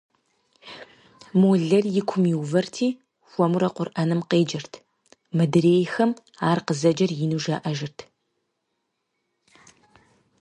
Молэр и кум иувэрти, хуэмурэ КъурӀэным къеджэрт, мыдрейхэм ар къызэджэр ину жаӀэжырт.